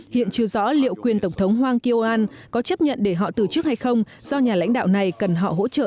hiện chưa rõ liệu quyền tổng thống hwang kyo an có chấp nhận để họ tử trức hay không do nhà lãnh đạo này cần họ hỗ trợ